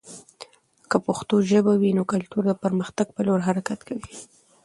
که پښتو ژبه وي، نو کلتور د پرمختګ په لور حرکت کوي.